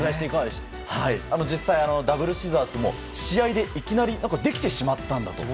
実際ダブルシザースも試合でいきなりできてしまったんだと。